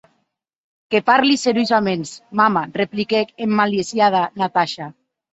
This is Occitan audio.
Que parli seriosaments, mama, repliquèc emmaliciada Natasha.